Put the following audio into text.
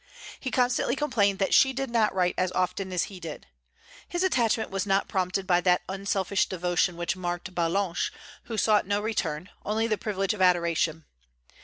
He constantly complained that she did not write as often as he did. His attachment was not prompted by that unselfish devotion which marked Ballanche, who sought no return, only the privilege of adoration.